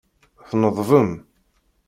Tneḍbem.